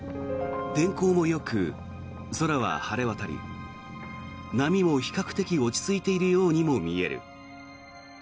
天候もよく、空は晴れ渡り波も比較的落ち着いているようにも見える。